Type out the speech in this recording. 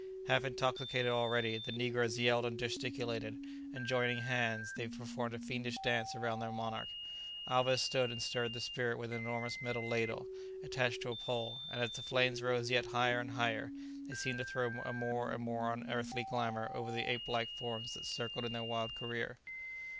Half intoxicated already, the negroes yelled and gesticulated; and joining hands, they performed a fiendish dance around their monarch. Alvez stood and stirred the spirit with an enormous metal ladle, attached to a pole, and as the flames rose yet higher and higher they seemed to throw a more and more unearthly glamour over the ape like forms that circled in their wild career.